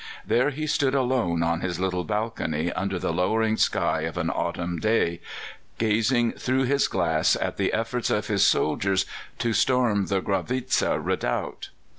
There he stood alone on his little balcony, under the lowering sky of an autumn day, gazing through his glass at the efforts of his soldiers to storm the Gravitza redoubt.